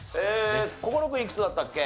心君いくつだったっけ？